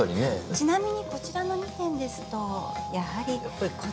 ちなみにこちらの２点ですとやはりこちら。